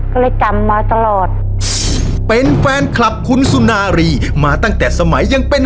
ก็เลยจำมาตลอดเป็นแฟนคลับคุณสุนารีมาตั้งแต่สมัยยังเป็น